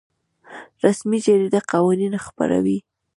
رسمي جریده قوانین خپروي